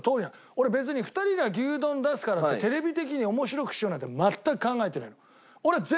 俺別に２人が牛丼出すからってテレビ的に面白くしようなんて全く考えてないの。